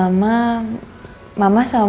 mama sama mamaku pernah cerita cerita ya